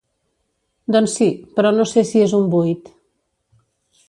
Doncs sí, però no sé si és un buit.